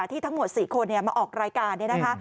ทั้งหมด๔คนมาออกรายการเนี่ยนะคะ